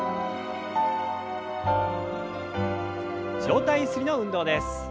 上体ゆすりの運動です。